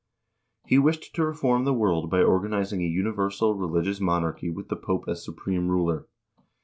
He wished to reform the world by organizing a universal religious monarchy with the Pope as supreme ruler.